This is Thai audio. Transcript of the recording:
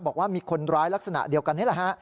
บอกว่ามีคนร้ายลักษณะเดียวกันนี่แหละฮะ